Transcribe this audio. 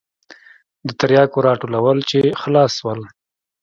د ترياکو راټولول چې خلاص سول.